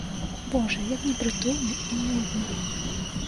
Божа, як непрытульна і нудна!